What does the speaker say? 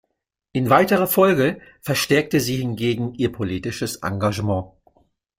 In weiterer Folge verstärkte sie hingegen ihr politisches Engagement.